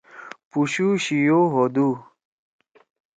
پُشُو شِیو ہودُو۔